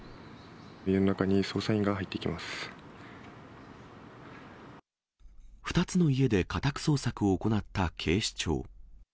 家の中に捜査員が入っていき２つの家で家宅捜索を行った警視庁。